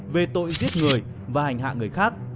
về tội giết người và hành hạ người khác